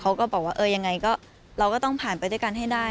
ก็บอกว่าเออยังไงก็เราก็ต้องผ่านไปด้วยกันให้ได้